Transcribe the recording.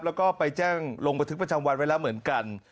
แล้วก็ไปแจ้งลงบันทึกประจำวันไว้แล้วเหมือนกัน